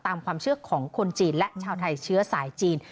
ตามความเชื่อของคนจีนและชาวไทยเชื้อสายจีน